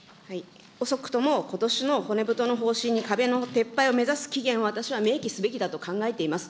遅くともことしの骨太の方針に壁の撤廃を目指す期限を、私は明記すべきだと考えています。